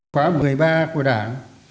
khóa một mươi ba của đảng